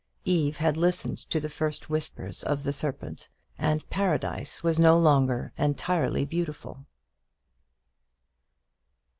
Eve had listened to the first whispers of the serpent, and Paradise was no longer entirely beautiful.